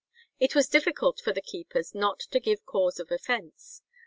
It was difficult for the keepers not to give cause of offence.